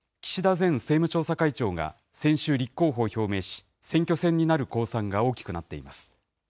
前政務調査会長が先週、立候補を表明し、選挙戦になる公算が大きくなっています。